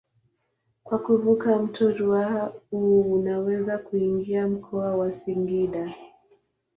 Kwa kuvuka mto Ruaha unaweza kuingia mkoa wa Singida.